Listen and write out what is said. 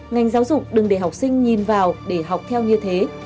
ngành giáo dục đừng để học sinh nhìn vào để học theo như thế